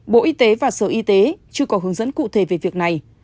bộ y tế và sở y tế chưa có hướng dẫn cụ thể về việc này